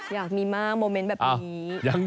อยากมีมากโมเมนต์แบบนี้